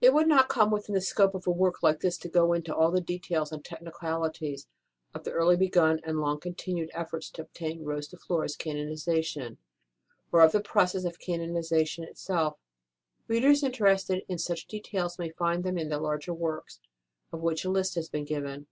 It would not come within the scope of a work like this to go into all the details and technicali ties of the early begun and long continued efforts to obtain Rose de Flores canonization, or of the process of canonization itself ; readers interested in such details may find them in the larger works, of which a list has been given.